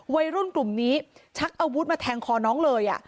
วัยรุ่นกลุ่มนี้ชักอาวุธมาแทงคอน้องเลย